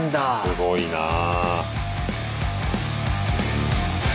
すごいなあ。